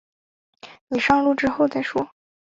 你上路之后再说